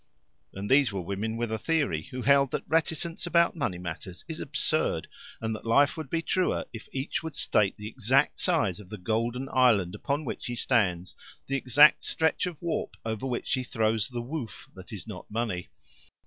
And these were women with a theory, who held that reticence about money matters is absurd, and that life would be truer if each would state the exact size of the golden island upon which he stands, the exact stretch of warp over which he throws the woof that is not money.